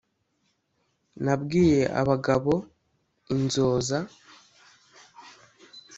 Nabwiye abagabo inzoza*.